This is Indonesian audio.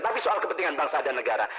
tapi soal kepentingan bangsa dan negara